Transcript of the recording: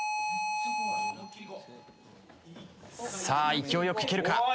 さあ勢いよくいけるか。